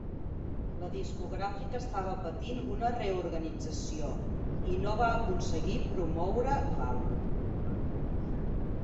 La discogràfica estava patint una reorganització i no va aconseguir promoure l'àlbum.